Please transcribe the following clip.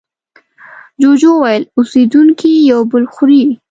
جوجو وویل اوسېدونکي یو بل خوري.